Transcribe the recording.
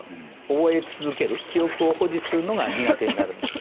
覚え続ける記憶を保持するのが苦手になるんですね。